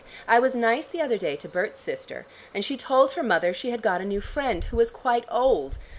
I was nice the other day to Berts' sister, and she told her mother she had got a new friend, who was quite old.